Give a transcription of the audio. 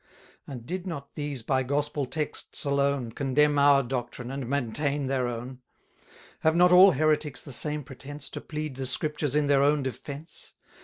And did not these by gospel texts alone Condemn our doctrine, and maintain their own? Have not all heretics the same pretence To plead the Scriptures in their own defence?